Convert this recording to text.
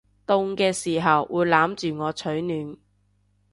凍嘅時候會攬住我取暖